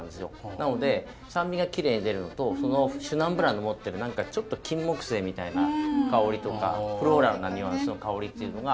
なので酸味がきれいに出るのとそのシュナンブランの持ってる何かちょっとキンモクセイみたいな香りとかフローラルな匂い香りっていうのが。